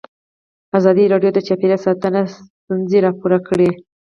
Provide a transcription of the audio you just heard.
ازادي راډیو د چاپیریال ساتنه ستونزې راپور کړي.